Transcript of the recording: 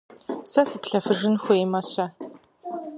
Сэ сыплъэфыжын хуеймэ-щэ?